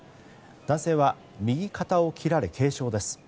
男性は右肩を切られ軽傷です。